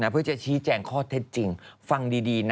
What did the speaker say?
เพื่อจะชี้แจงข้อเท็จจริง